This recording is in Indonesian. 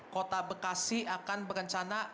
kota bekasi akan berencana